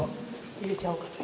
入れちゃおうかという。